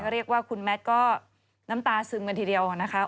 เรียกว่าคุณแมทก็น้ำตาซึมกันทีเดียวนะคะ